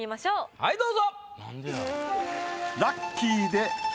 はいどうぞ！